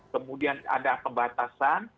kemudian ada pembatasan